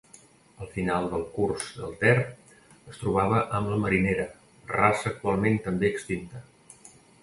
Al final del curs del Ter es trobava amb la Marinera, raça actualment també extinta.